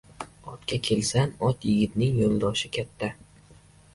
Otga kelsam, ot — yigitning yo‘ldoshi, katta.